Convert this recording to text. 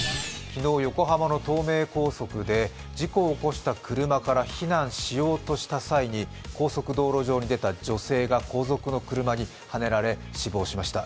昨日、横浜の東名高速で事故を起こした車から避難しようとした際に高速道路上に出た女性が後続の車にはねられ死亡しました。